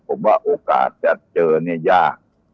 ผมว่าโอกาสจะเจอเนี่ยยาก